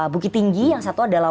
bukit tinggi yang satu adalah